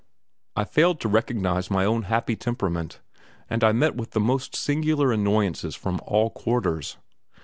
I failed to recognize my own happy temperament, and I met with the most singular annoyances from all quarters.